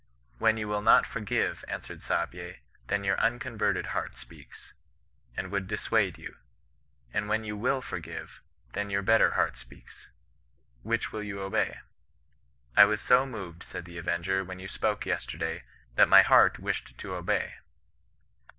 *When you will not forgive,' answered Saahye, * then your unconverted heart speaks, and would dissuade you; and when you will forgive, then your better heart speaks. Which will you obey.' * I was so moved,' said the avenger, * when you spoke yesterday, that my heart wished to obey.'